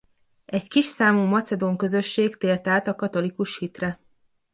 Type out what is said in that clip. Egy kis számú macedón közösség tért át a katolikus hitre.